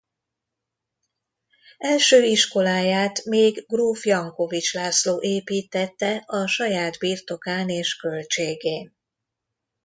Első iskoláját még gróf Jankovich László építtette a saját birtokán és költségén.